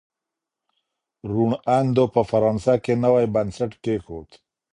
روڼ اندو په فرانسه کي نوی بنسټ کیښود.